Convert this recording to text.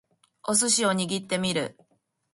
お寿司を握ってみる